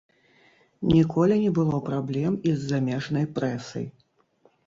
Ніколі не было праблем і з замежнай прэсай.